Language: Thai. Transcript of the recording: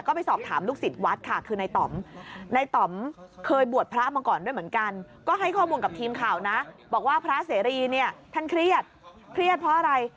อ่าอ่าอ่าอ่าอ่าอ่าอ่าอ่าอ่าอ่าอ่าอ่าอ่าอ่าอ่าอ่าอ่าอ่า